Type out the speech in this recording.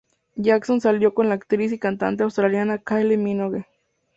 Jason salió con la actriz y cantante australiana Kylie Minogue.